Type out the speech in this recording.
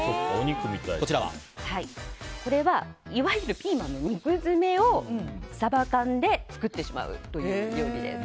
これはいわゆるピーマンの肉詰めをサバ缶で作ってしまうという料理です。